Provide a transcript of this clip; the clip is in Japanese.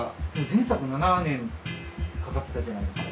前作７年かかってたじゃないですか。